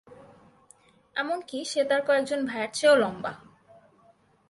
এমনকি সে তার কয়েকজন ভাইয়ের চেয়েও লম্বা।